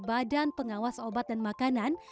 badan pengawas obat dan makanan